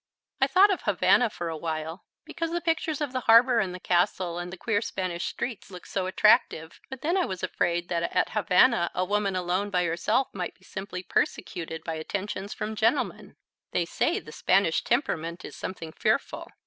I thought of Havana for a while, because the pictures of the harbour and the castle and the queer Spanish streets looked so attractive, but then I was afraid that at Havana a woman alone by herself might be simply persecuted by attentions from gentlemen. They say the Spanish temperament is something fearful.